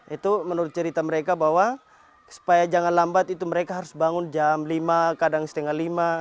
itu menurut cerita mereka bahwa supaya jangan lambat itu mereka harus bangun jam lima kadang setengah lima